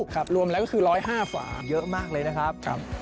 ครับรวมแล้วก็คือ๑๐๕ฝาเยอะมากเลยนะครับ